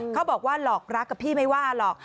เขาบอกว่าหลอกรักกับพี่ไม่ว่าหรอก